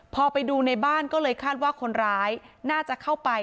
พอไปดูในบ้านก็เลยคาดว่าคนร้ายน่าจะเข้าไป